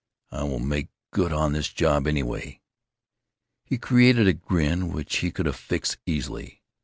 I will make good on this job, anyway." He created a grin which he could affix easily.